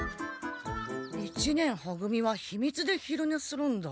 一年は組は秘密で昼寝するんだ。